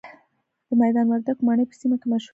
د میدان وردګو مڼې په سیمه کې مشهورې دي.